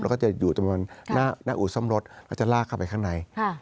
แล้วก็จะอยู่จำนวนหน้าอู่ซ่อมรถแล้วจะลากเข้าไปข้างใน